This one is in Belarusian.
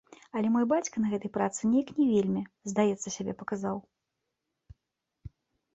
Але мой бацька на гэтай працы неяк не вельмі, здаецца, сябе паказаў.